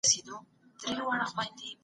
انګلیسانو د ښار شاوخوا څارنې زیاتې کړې.